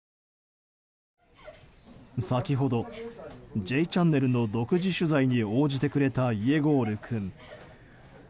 先ほど「Ｊチャンネル」の独自取材に応じてくれたイエゴール君。